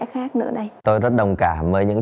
khác nữa đây tôi rất đồng cảm với những